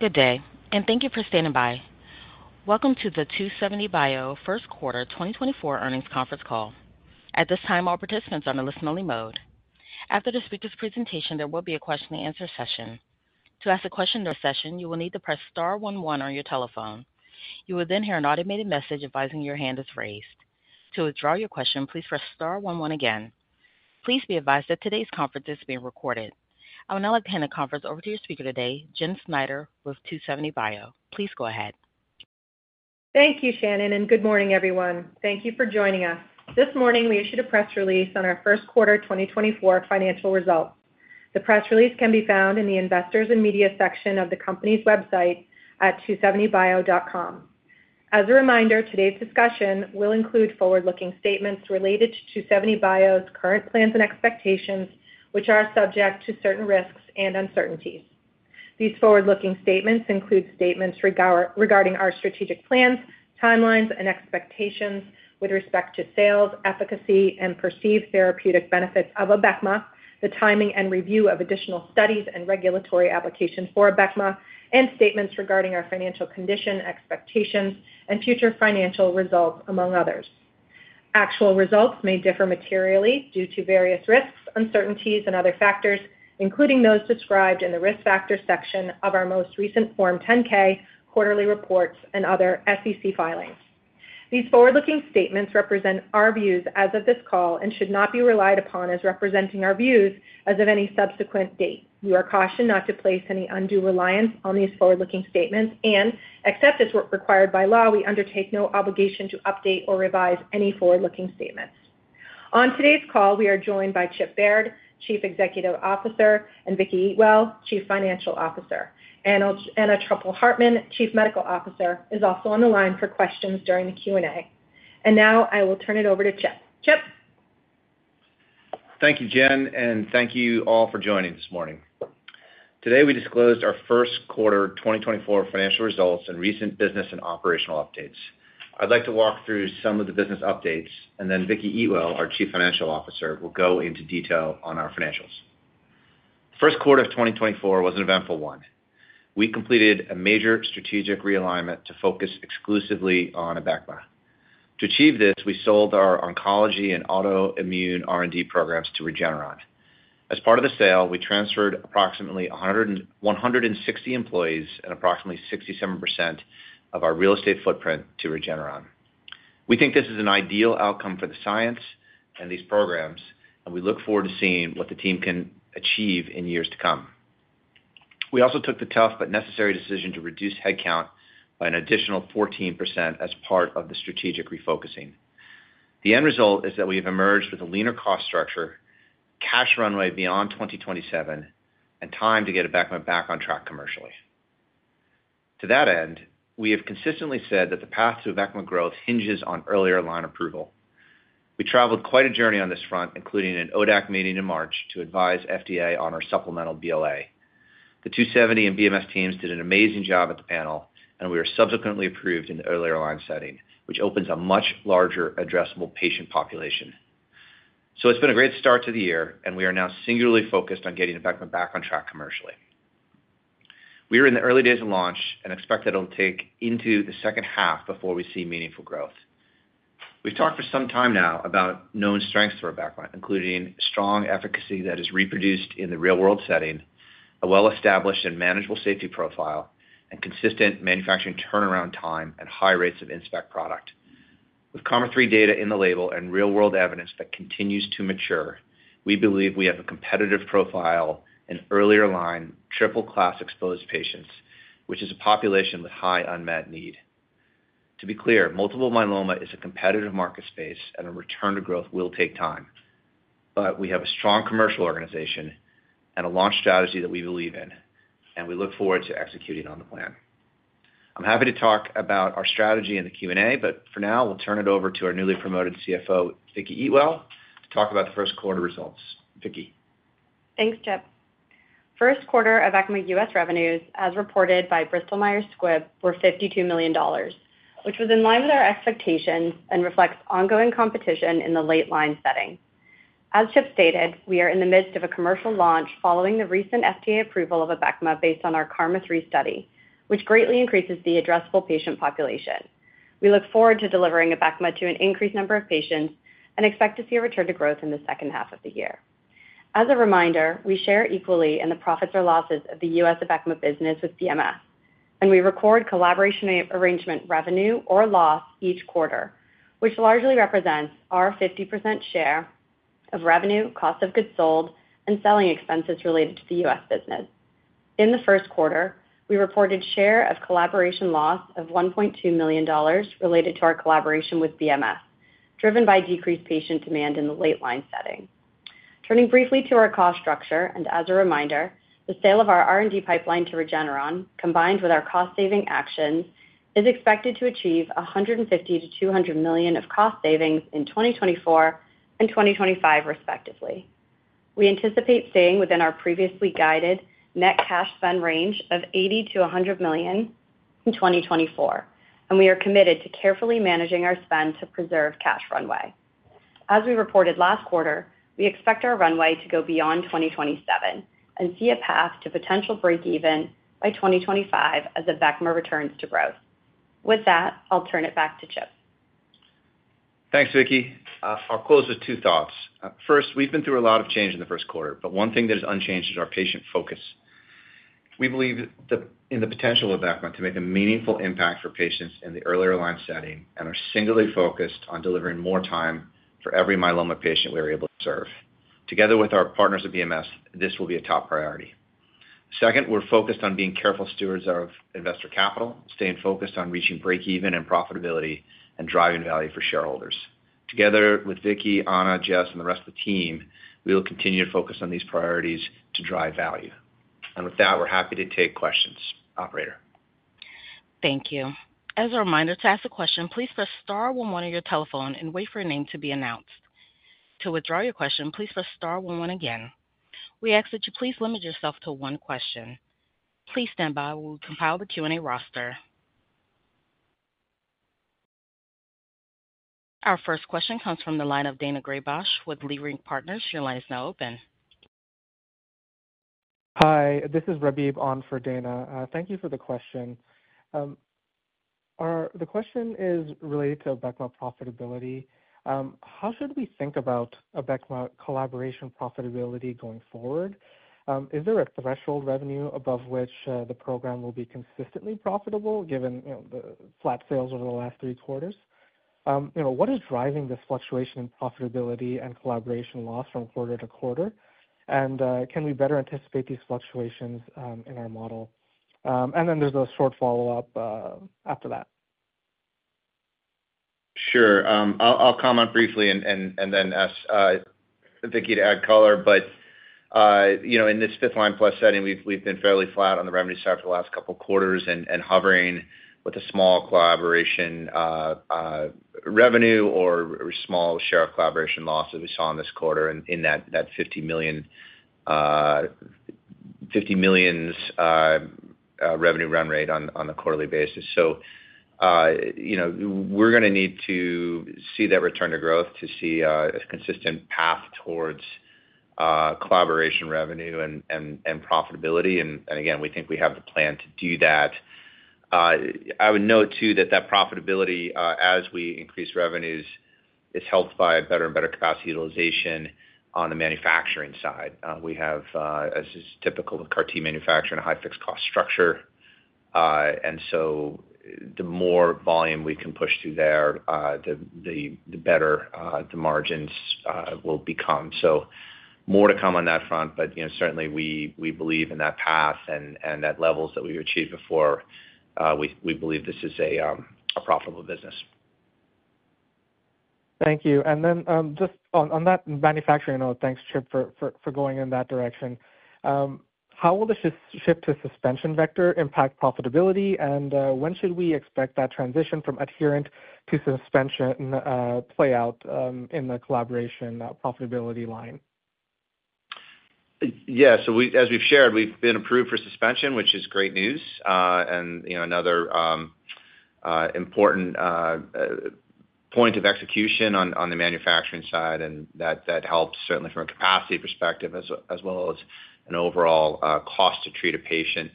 Good day, and thank you for standing by. Welcome to the 2seventy bio first quarter 2024 earnings conference call. At this time, all participants are in a listen-only mode. After the speaker's presentation, there will be a question-and-answer session. To ask a question during the session, you will need to press star one one on your telephone. You will then hear an automated message advising your hand is raised. To withdraw your question, please press star one one again. Please be advised that today's conference is being recorded. I will now hand the conference over to your speaker today, Jenn Snyder, with 2seventy bio. Please go ahead. Thank you, Shannon, and good morning, everyone. Thank you for joining us. This morning, we issued a press release on our first quarter 2024 financial results. The press release can be found in the Investors and Media section of the company's website at 2seventybio.com. As a reminder, today's discussion will include forward-looking statements related to 2seventy bio's current plans and expectations, which are subject to certain risks and uncertainties. These forward-looking statements include statements regarding our strategic plans, timelines, and expectations with respect to sales, efficacy, and perceived therapeutic benefits of Abecma, the timing and review of additional studies and regulatory application for Abecma, and statements regarding our financial condition, expectations, and future financial results, among others. Actual results may differ materially due to various risks, uncertainties, and other factors, including those described in the risk factor section of our most recent Form 10-K quarterly reports and other SEC filings. These forward-looking statements represent our views as of this call and should not be relied upon as representing our views as of any subsequent date. We are cautioned not to place any undue reliance on these forward-looking statements, and except as required by law, we undertake no obligation to update or revise any forward-looking statements. On today's call, we are joined by Chip Baird, Chief Executive Officer, and Vicki Eatwell, Chief Financial Officer. Anna Truppel-Hartmann, Chief Medical Officer, is also on the line for questions during the Q&A. Now I will turn it over to Chip. Chip? Thank you, Jenn, and thank you all for joining this morning. Today, we disclosed our first quarter 2024 financial results and recent business and operational updates. I'd like to walk through some of the business updates, and then Vicki Eatwell, our Chief Financial Officer, will go into detail on our financials. The first quarter of 2024 was an eventful one. We completed a major strategic realignment to focus exclusively on Abecma. To achieve this, we sold our oncology and autoimmune R&D programs to Regeneron. As part of the sale, we transferred approximately 160 employees and approximately 67% of our real estate footprint to Regeneron. We think this is an ideal outcome for the science and these programs, and we look forward to seeing what the team can achieve in years to come. We also took the tough but necessary decision to reduce headcount by an additional 14% as part of the strategic refocusing. The end result is that we have emerged with a leaner cost structure, cash runway beyond 2027, and time to get Abecma back on track commercially. To that end, we have consistently said that the path to Abecma growth hinges on earlier line approval. We traveled quite a journey on this front, including an ODAC meeting in March to advise FDA on our supplemental BLA. The 2seventy and BMS teams did an amazing job at the panel, and we were subsequently approved in the earlier line setting, which opens a much larger, addressable patient population. So it's been a great start to the year, and we are now singularly focused on getting Abecma back on track commercially. We are in the early days of launch and expect that it'll take into the second half before we see meaningful growth. We've talked for some time now about known strengths for Abecma, including strong efficacy that is reproduced in the real-world setting, a well-established and manageable safety profile, and consistent manufacturing turnaround time and high rates of in-spec product. With KarMMa-3 data in the label and real-world evidence that continues to mature, we believe we have a competitive profile and earlier-line triple-class exposed patients, which is a population with high unmet need. To be clear, multiple myeloma is a competitive market space, and a return to growth will take time. But we have a strong commercial organization and a launch strategy that we believe in, and we look forward to executing on the plan. I'm happy to talk about our strategy in the Q&A, but for now, we'll turn it over to our newly promoted CFO, Vicki Eatwell, to talk about the first quarter results. Vicki. Thanks, Chip. First quarter Abecma US revenues, as reported by Bristol Myers Squibb, were $52 million, which was in line with our expectations and reflects ongoing competition in the late line setting. As Chip stated, we are in the midst of a commercial launch following the recent FDA approval of Abecma based on our KarMMa-3 study, which greatly increases the addressable patient population. We look forward to delivering Abecma to an increased number of patients and expect to see a return to growth in the second half of the year. As a reminder, we share equally in the profits or losses of the U.S. Abecma business with BMS, and we record collaboration arrangement revenue or loss each quarter, which largely represents our 50% share of revenue, cost of goods sold, and selling expenses related to the U.S. business. In the first quarter, we reported share of collaboration loss of $1.2 million related to our collaboration with BMS, driven by decreased patient demand in the late line setting. Turning briefly to our cost structure and as a reminder, the sale of our R&D pipeline to Regeneron, combined with our cost-saving actions, is expected to achieve $150 million-$200 million of cost savings in 2024 and 2025, respectively. We anticipate staying within our previously guided net cash spend range of $80 million-$100 million in 2024, and we are committed to carefully managing our spend to preserve cash runway. As we reported last quarter, we expect our runway to go beyond 2027 and see a path to potential break-even by 2025 as Abecma returns to growth. With that, I'll turn it back to Chip. Thanks, Vicki. I'll close with two thoughts. First, we've been through a lot of change in the first quarter, but one thing that is unchanged is our patient focus. We believe in the potential of Abecma to make a meaningful impact for patients in the earlier line setting and are singularly focused on delivering more time for every myeloma patient we are able to serve. Together with our partners at BMS, this will be a top priority. Second, we're focused on being careful stewards of investor capital, staying focused on reaching break-even and profitability, and driving value for shareholders. Together with Vicki, Anna, Jenn, and the rest of the team, we will continue to focus on these priorities to drive value. And with that, we're happy to take questions. Operator. Thank you. As a reminder, to ask a question, please press star one one on your telephone and wait for your name to be announced. To withdraw your question, please press star one one again. We ask that you please limit yourself to one question. Please stand by while we compile the Q&A roster. Our first question comes from the line of Daina Graybosch with Leerink Partners. Your line is now open. Hi, this is Rabib on for Daina. Thank you for the question. The question is related to Abecma profitability. How should we think about Abecma collaboration profitability going forward? Is there a threshold revenue above which the program will be consistently profitable given the flat sales over the last three quarters? What is driving this fluctuation in profitability and collaboration loss from quarter to quarter? Can we better anticipate these fluctuations in our model? Then there's a short follow-up after that. Sure. I'll comment briefly and then ask Vicki to add color. But in this fifth line plus setting, we've been fairly flat on the revenue side for the last couple of quarters and hovering with a small collaboration revenue or small share of collaboration loss as we saw in this quarter in that $50 million revenue run rate on a quarterly basis. So we're going to need to see that return to growth to see a consistent path towards collaboration revenue and profitability. And again, we think we have the plan to do that. I would note, too, that that profitability, as we increase revenues, is helped by better and better capacity utilization on the manufacturing side. We have, as is typical with CAR-T manufacturing, a high fixed-cost structure. And so the more volume we can push through there, the better the margins will become. So more to come on that front, but certainly, we believe in that path and at levels that we've achieved before. We believe this is a profitable business. Thank you. And then just on that manufacturing note, thanks, Chip, for going in that direction. How will the shift to suspension vector impact profitability, and when should we expect that transition from adherent to suspension play out in the collaboration profitability line? Yeah. So as we've shared, we've been approved for suspension, which is great news and another important point of execution on the manufacturing side. That helps, certainly, from a capacity perspective as well as an overall cost to treat a patient.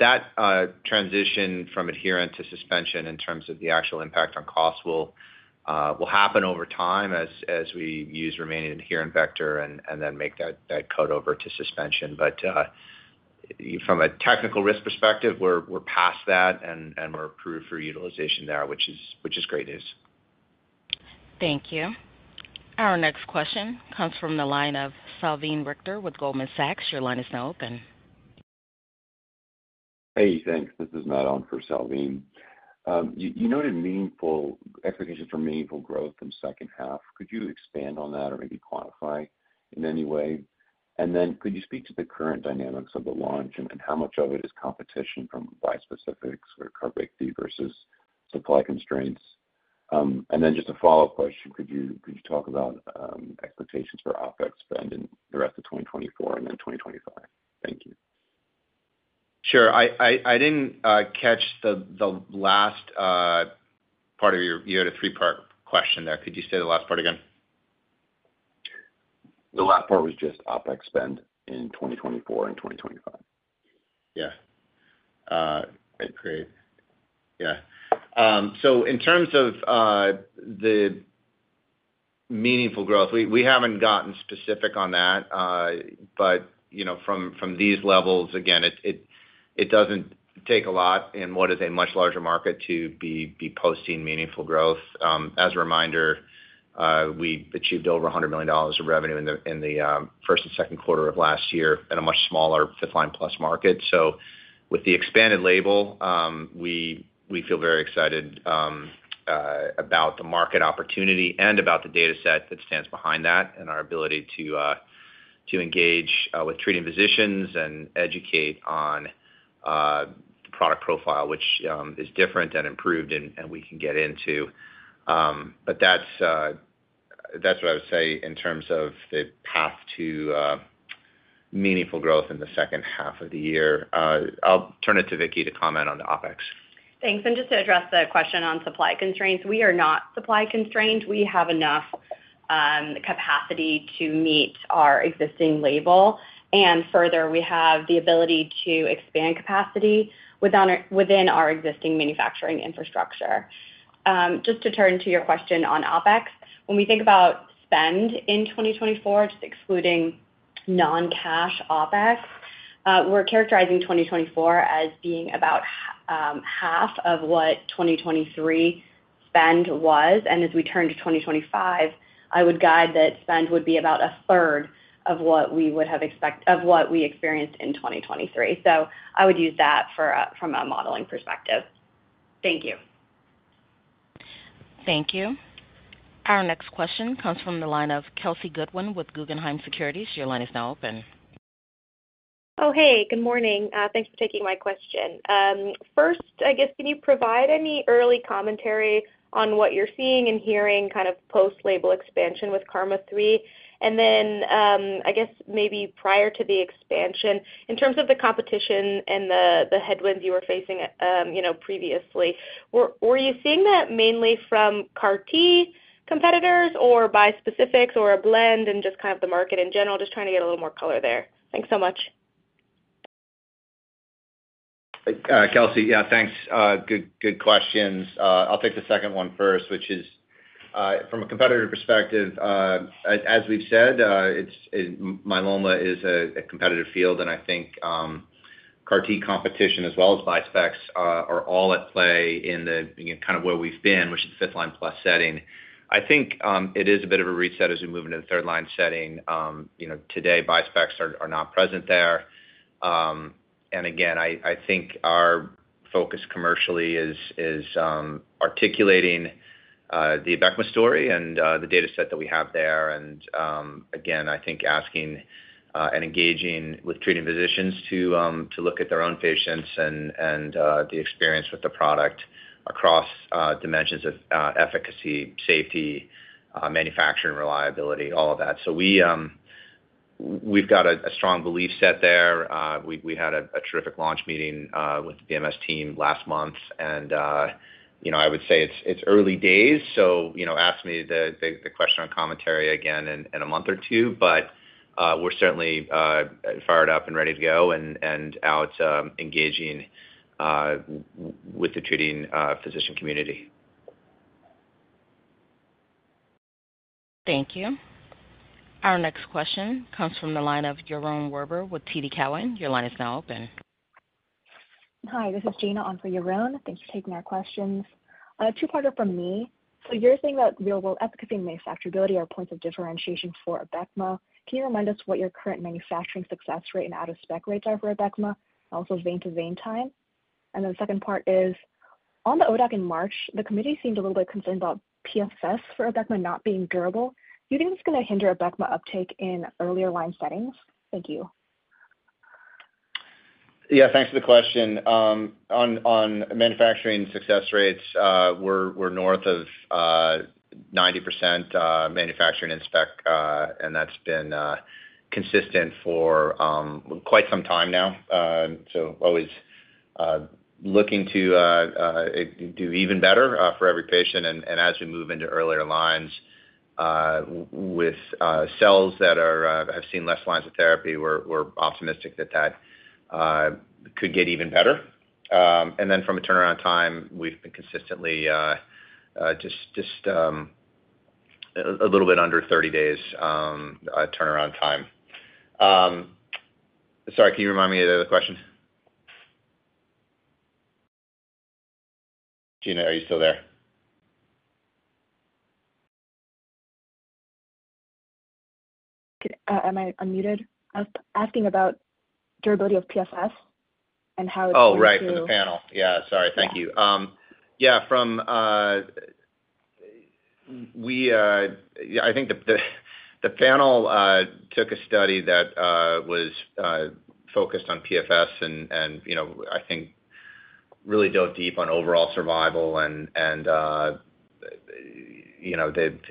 That transition from adherent to suspension in terms of the actual impact on cost will happen over time as we use remaining adherent vector and then make that cut over to suspension. But from a technical risk perspective, we're past that, and we're approved for utilization there, which is great news. Thank you. Our next question comes from the line of Salveen Richter with Goldman Sachs. Your line is now open. Hey, thanks. This is Matt on for Salveen. You noted expectations for meaningful growth in the second half. Could you expand on that or maybe quantify in any way? And then could you speak to the current dynamics of the launch and how much of it is competition from bi-specifics or CAR-BCMA versus supply constraints? And then just a follow-up question, could you talk about expectations for OpEx spend in the rest of 2024 and then 2025? Thank you. Sure. I didn't catch the last part of your three-part question there. Could you say the last part again? The last part was just OpEx spend in 2024 and 2025. Yeah. Great. Yeah. So in terms of the meaningful growth, we haven't gotten specific on that. But from these levels, again, it doesn't take a lot in what is a much larger market to be posting meaningful growth. As a reminder, we achieved over $100 million of revenue in the first and second quarter of last year in a much smaller fifth line plus market. So with the expanded label, we feel very excited about the market opportunity and about the dataset that stands behind that and our ability to engage with treating physicians and educate on the product profile, which is different and improved, and we can get into. But that's what I would say in terms of the path to meaningful growth in the second half of the year. I'll turn it to Vicki to comment on the OpEx. Thanks. And just to address the question on supply constraints, we are not supply constrained. We have enough capacity to meet our existing label. And further, we have the ability to expand capacity within our existing manufacturing infrastructure. Just to turn to your question on OpEx, when we think about spend in 2024, just excluding non-cash OpEx, we're characterizing 2024 as being about half of what 2023 spend was. And as we turn to 2025, I would guide that spend would be about a third of what we would have expected of what we experienced in 2023. So I would use that from a modeling perspective. Thank you. Thank you. Our next question comes from the line of Kelsey Goodwin with Guggenheim Securities. Your line is now open. Oh, hey. Good morning. Thanks for taking my question. First, I guess, can you provide any early commentary on what you're seeing and hearing kind of post-label expansion with KarMMa-3? And then I guess maybe prior to the expansion, in terms of the competition and the headwinds you were facing previously, were you seeing that mainly from CAR-T competitors or bi-specifics or a blend and just kind of the market in general? Just trying to get a little more color there. Thanks so much. Kelsey, yeah, thanks. Good questions. I'll take the second one first, which is from a competitor perspective, as we've said, myeloma is a competitive field, and I think CAR-T competition as well as bi-specifics are all at play in kind of where we've been, which is the fifth line plus setting. I think it is a bit of a reset as we move into the third line setting. Today, bi-specifics are not present there. And again, I think our focus commercially is articulating the Abecma story and the dataset that we have there. And again, I think asking and engaging with treating physicians to look at their own patients and the experience with the product across dimensions of efficacy, safety, manufacturing reliability, all of that. So we've got a strong belief set there. We had a terrific launch meeting with the BMS team last month. I would say it's early days. So ask me the question on commentary again in a month or two. But we're certainly fired up and ready to go and out engaging with the treating physician community. Thank you. Our next question comes from the line of Yaron Werber with TD Cowen. Your line is now open. Hi. This is Gina on for Yaron. Thanks for taking our questions. Two-parter from me. So you're saying that real-world efficacy and manufacturability are points of differentiation for Abecma. Can you remind us what your current manufacturing success rate and out-of-spec rates are for Abecma, also vein-to-vein time? And then the second part is, on the ODAC in March, the committee seemed a little bit concerned about PFS for Abecma not being durable. Do you think it's going to hinder Abecma uptake in earlier line settings? Thank you. Yeah, thanks for the question. On manufacturing success rates, we're north of 90% manufacturing in spec, and that's been consistent for quite some time now. So always looking to do even better for every patient. And as we move into earlier lines with cells that have seen less lines of therapy, we're optimistic that that could get even better. And then from a turnaround time, we've been consistently just a little bit under 30 days turnaround time. Sorry, can you remind me of the other question? Jenna, are you still there? Am I unmuted? I was asking about durability of PFS and how it's improved through the panel. Oh, right, through the panel. Yeah, sorry. Thank you. Yeah, I think the panel took a study that was focused on PFS and I think really dove deep on overall survival and the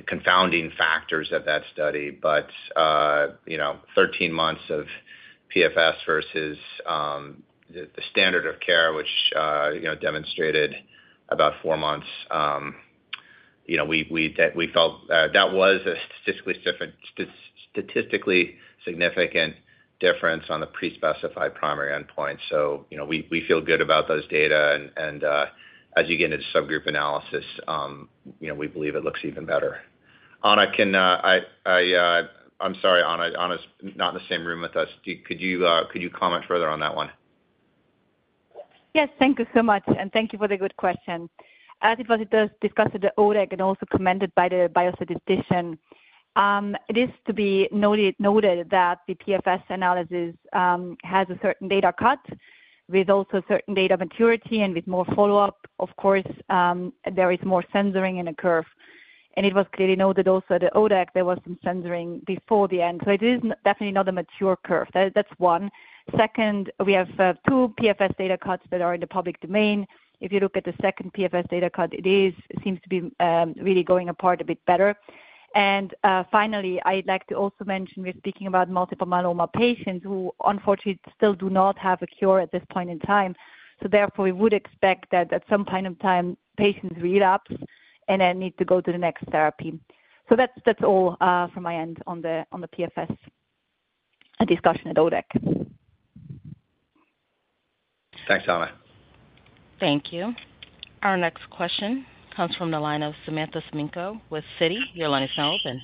confounding factors of that study. But 13 months of PFS versus the standard of care, which demonstrated about four months, we felt that was a statistically significant difference on the pre-specified primary endpoint. So we feel good about those data. And as you get into subgroup analysis, we believe it looks even better. Anna, can I? I'm sorry, Anna's not in the same room with us. Could you comment further on that one? Yes, thank you so much. Thank you for the good question. As it was discussed at the ODAC and also commended by the biostatistician, it is to be noted that the PFS analysis has a certain data cut with also a certain data maturity and with more follow-up. Of course, there is more censoring in the curve. It was clearly noted also at the ODAC, there was some censoring before the end. So it is definitely not a mature curve. That's one. Second, we have two PFS data cuts that are in the public domain. If you look at the second PFS data cut, it seems to be really going apart a bit better. Finally, I'd like to also mention we're speaking about multiple myeloma patients who, unfortunately, still do not have a cure at this point in time. Therefore, we would expect that at some point in time, patients relapse and then need to go to the next therapy. That's all from my end on the PFS discussion at ODAC. Thanks, Anna. Thank you. Our next question comes from the line of Samantha Semenkow with Citi. Your line is now open.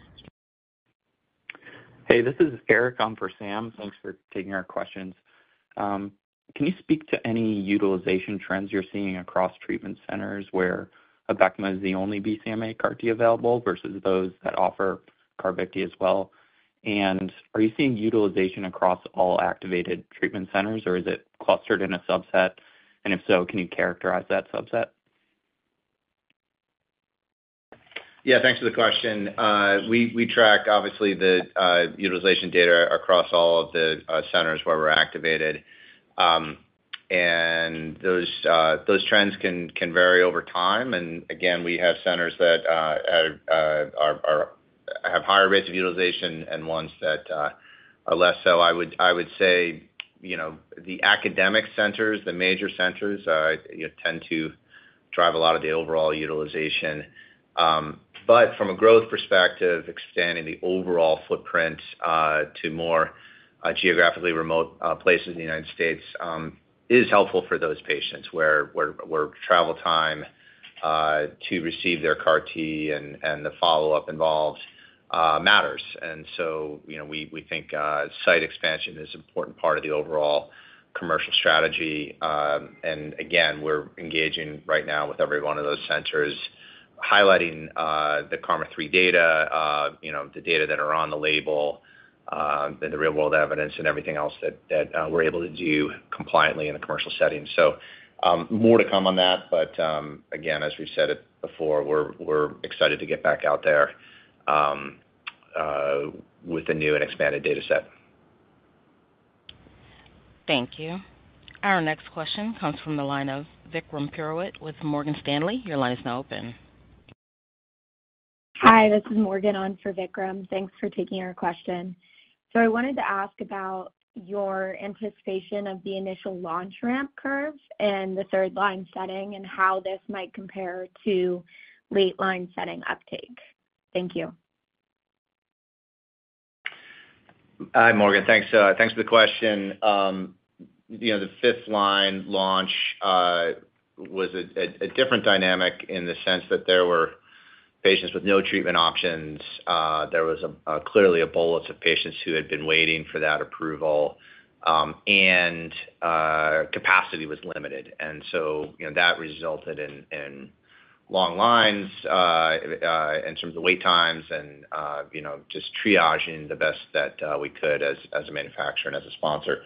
Hey, this is Eric on for SAM. Thanks for taking our questions. Can you speak to any utilization trends you're seeing across treatment centers where Abecma is the only BCMA/CAR-T available versus those that offer CAR-BCMA as well? And are you seeing utilization across all activated treatment centers, or is it clustered in a subset? And if so, can you characterize that subset? Yeah, thanks for the question. We track, obviously, the utilization data across all of the centers where we're activated. Those trends can vary over time. Again, we have centers that have higher rates of utilization and ones that are less so. I would say the academic centers, the major centers, tend to drive a lot of the overall utilization. But from a growth perspective, expanding the overall footprint to more geographically remote places in the United States is helpful for those patients where travel time to receive their CAR-T and the follow-up involved matters. So we think site expansion is an important part of the overall commercial strategy. And again, we're engaging right now with every one of those centers, highlighting the KarMMa-3 data, the data that are on the label, and the real-world evidence and everything else that we're able to do compliantly in the commercial setting. So more to come on that. But again, as we've said before, we're excited to get back out there with a new and expanded dataset. Thank you. Our next question comes from the line of Vikram Purohit with Morgan Stanley. Your line is now open. Hi, this is Morgan on for Vikram. Thanks for taking our question. So I wanted to ask about your anticipation of the initial launch ramp curve in the third line setting and how this might compare to late line setting uptake. Thank you. Hi, Morgan. Thanks for the question. The fifth line launch was a different dynamic in the sense that there were patients with no treatment options. There was clearly a bolus of patients who had been waiting for that approval, and capacity was limited. And so that resulted in long lines in terms of wait times and just triaging the best that we could as a manufacturer and as a sponsor.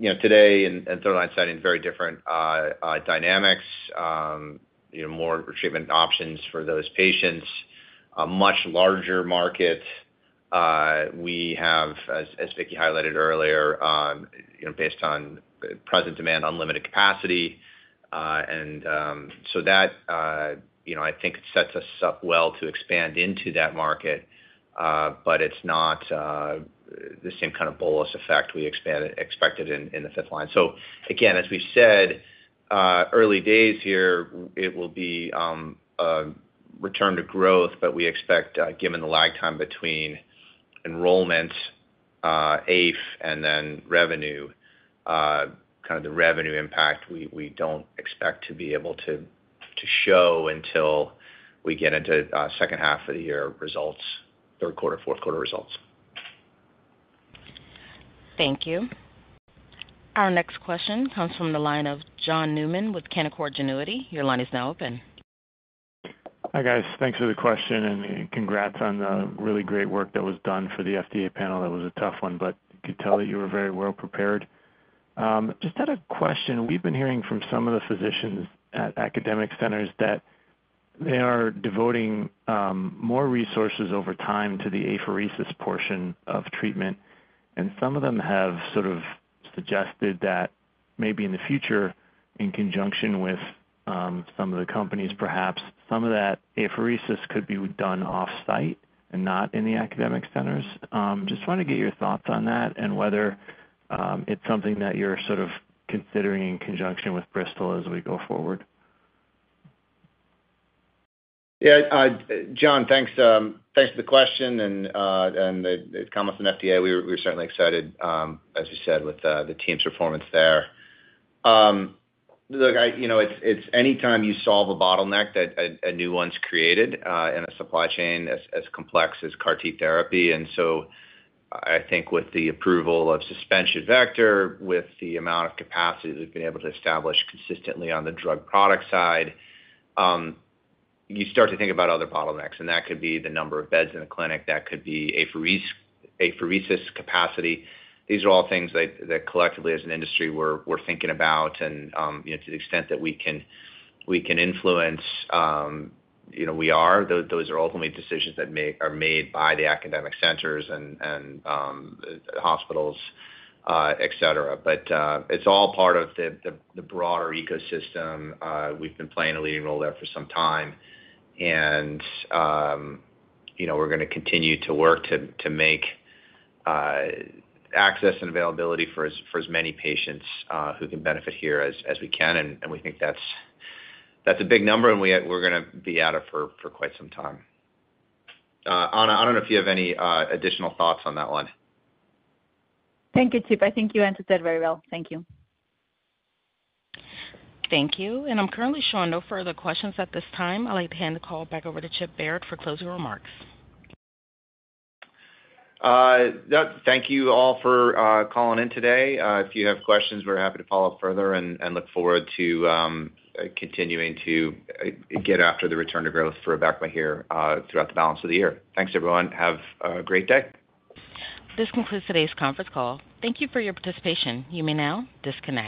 Today and third line setting, very different dynamics, more treatment options for those patients, much larger market. We have, as Vicki highlighted earlier, based on present demand, unlimited capacity. And so that, I think, sets us up well to expand into that market. But it's not the same kind of bolus effect we expected in the fifth line. So again, as we've said, early days here, it will be a return to growth. We expect, given the lag time between enrollment, AIF, and then revenue, kind of the revenue impact, we don't expect to be able to show until we get into second half of the year results, third quarter, fourth quarter results. Thank you. Our next question comes from the line of John Newman with Canaccord Genuity. Your line is now open. Hi, guys. Thanks for the question and congrats on the really great work that was done for the FDA panel. That was a tough one, but you could tell that you were very well prepared. Just had a question. We've been hearing from some of the physicians at academic centers that they are devoting more resources over time to the apheresis portion of treatment. And some of them have sort of suggested that maybe in the future, in conjunction with some of the companies, perhaps some of that apheresis could be done off-site and not in the academic centers. Just want to get your thoughts on that and whether it's something that you're sort of considering in conjunction with Bristol as we go forward. Yeah, John, thanks for the question. And the BMS and FDA, we're certainly excited, as you said, with the team's performance there. Look, it's anytime you solve a bottleneck that a new one's created in a supply chain as complex as CAR-T therapy. And so I think with the approval of suspension vector, with the amount of capacity we've been able to establish consistently on the drug product side, you start to think about other bottlenecks. And that could be the number of beds in a clinic. That could be apheresis capacity. These are all things that collectively, as an industry, we're thinking about. And to the extent that we can influence, we are. Those are ultimately decisions that are made by the academic centers and hospitals, etc. But it's all part of the broader ecosystem. We've been playing a leading role there for some time. We're going to continue to work to make access and availability for as many patients who can benefit here as we can. We think that's a big number, and we're going to be at it for quite some time. Anna, I don't know if you have any additional thoughts on that one. Thank you, Chip. I think you answered that very well. Thank you. Thank you. I'm currently showing no further questions at this time. I'd like to hand the call back over to Chip Baird for closing remarks. Thank you all for calling in today. If you have questions, we're happy to follow up further and look forward to continuing to get after the return to growth for Abecma here throughout the balance of the year. Thanks, everyone. Have a great day. This concludes today's conference call. Thank you for your participation. You may now disconnect.